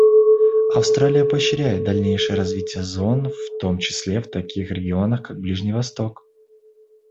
Австралия поощряет дальнейшее развитие зон, в том числе в таких регионах, как Ближний Восток.